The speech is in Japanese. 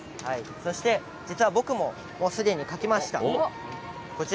そして実は僕もすでに書きました。